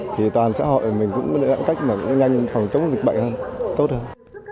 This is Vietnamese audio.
thì toàn xã hội mình cũng có cách nhanh phòng chống dịch bệnh hơn tốt hơn